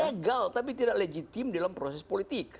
legal tapi tidak legitim dalam proses politik